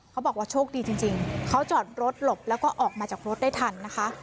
เขาบอกว่าโชคดีจริงเขาจอดรถหลบแล้วก็ออกมาจากรถได้ทันนะคะ